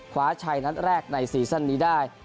คว้าชัยนัดแรกในซีซั่นนี้ได้